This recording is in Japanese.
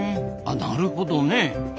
あなるほどね。